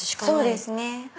そうですね。